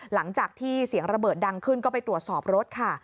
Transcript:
หลังจากที่เสียงระเบิดดังขึ้นก็ไปตรวจสอบรถค่ะ